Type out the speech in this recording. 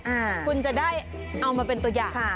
อ่าจะได้เอามาเป็นตัวอย่างค่ะ